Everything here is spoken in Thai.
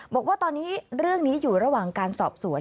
บอกว่าตอนนี้เรื่องนี้อยู่ระหว่างการสอบสวน